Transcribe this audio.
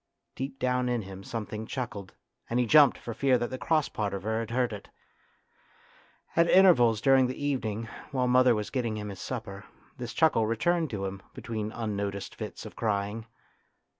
Deep down in him some thing chuckled, and he jumped for fear that the cross part of her had heard it. At 92 A TRAGEDY IN LITTLE intervals during the evening, while mother was getting him his supper, this chuckle returned to him, between unnoticed fits of crying.